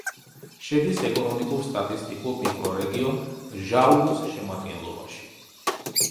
შედის ეკონომიკურ-სტატისტიკურ მიკრორეგიონ ჟაურუს შემადგენლობაში.